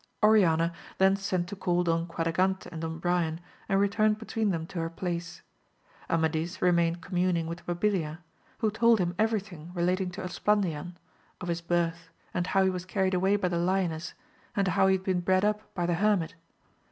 Oriana then sent to call Don Quadragante and Don Brian and returned between them to her place. Amadis remained communing with Mabilia, who told him everything relating to Esplandian, of his birth, and how he was carried away by the lioness, and how he had been bred up by the hermit.